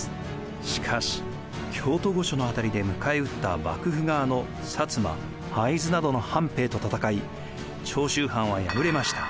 しかし京都御所の辺りで迎え撃った幕府側の摩・会津などの藩兵と戦い長州藩は敗れました。